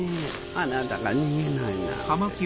あなたが逃げないなんて。